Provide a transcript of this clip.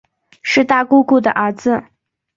是大姑姑的儿子